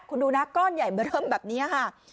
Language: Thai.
คุณดูนะก้อนใหญ่เบอร์เริ่มแบบนี้ค่ะ